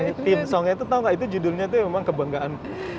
ya tim song nya itu tahu nggak itu judulnya itu memang kebanggaan